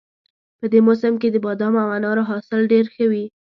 په دې موسم کې د بادامو او انارو حاصل ډېر ښه وي